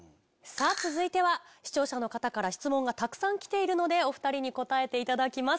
続いては視聴者の方から質問がたくさんきているのでお２人に答えていただきます。